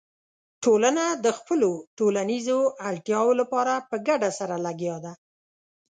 ټولنه د خپلو ټولنیزو اړتیاوو لپاره په ګډه سره لګیا ده.